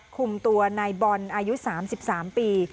คุมตัวนายบอลอายุ๓๓ปี